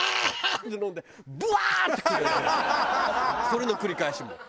それの繰り返しもう。